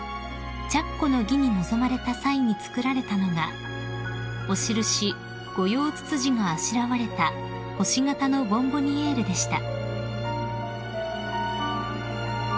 着袴の儀に臨まれた際に作られたのがお印ゴヨウツツジがあしらわれた星形のボンボニエールでした］